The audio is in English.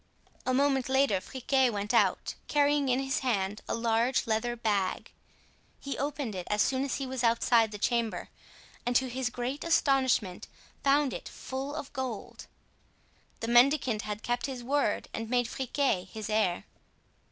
A moment later Friquet went out, carrying in his hand a large leather bag; he opened it as soon as he was outside the chamber and to his great astonishment found it full of gold. The mendicant had kept his word and made Friquet his heir.